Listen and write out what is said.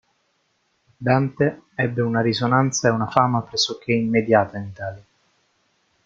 Dante ebbe una risonanza e una fama pressoché immediata in Italia.